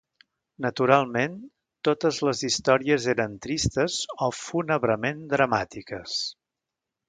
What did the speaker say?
Naturalment, totes les històries eren tristes, o fúnebrement dramàtiques.